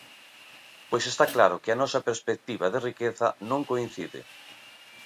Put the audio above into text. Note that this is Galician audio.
Pois está claro que a nosa perspectiva de riqueza non coincide.